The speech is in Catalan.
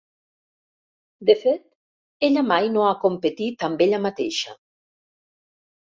De fet, ella mai no ha competit amb ella mateixa.